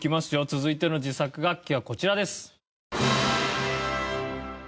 続いての自作楽器はこちらです。